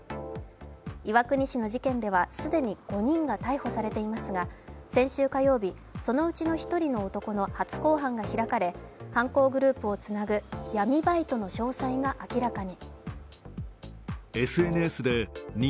岩国市の事件では既に５人が逮捕されていますが先週火曜日、そのうちの一人の男の初公判が開かれ犯行グループをつなぐ闇バイトの詳細が明らかに。